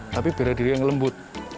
tapi bela diri yang lembut